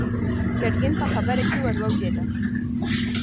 ګرګين په خبره کې ور ولوېد.